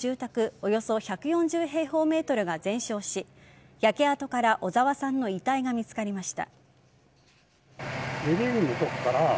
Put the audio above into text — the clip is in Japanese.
およそ１４０平方メートルが全焼し焼け跡から小澤さんの遺体が見つかりました。